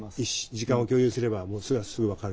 時間を共有すればそれはすぐ分かる。